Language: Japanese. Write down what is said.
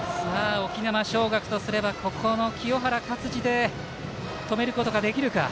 沖縄尚学とすればここの清原勝児で止めることができるか。